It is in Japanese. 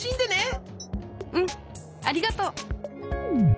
うんありがとう！